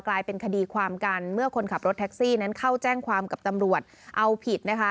กลายเป็นคดีความกันเมื่อคนขับรถแท็กซี่นั้นเข้าแจ้งความกับตำรวจเอาผิดนะคะ